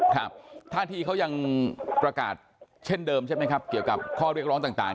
ครับท่าที่เขายังประกาศเช่นเดิมใช่ไหมครับเกี่ยวกับข้อเรียกร้องต่าง